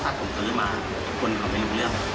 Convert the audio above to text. ถ้าผมซื้อมาคนเขาไม่รู้เรื่อง